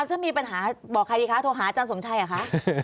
ถ้ามีปัญหาบอกใครดีคะโทรหาอาจารย์สมชัยเหรอคะ